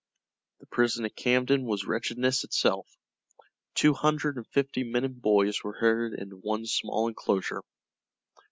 The prison at Camden was wretchedness itself. Two hundred and fifty men and boys were herded into one small enclosure.